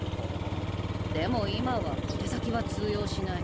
でも今は小手先は通用しない。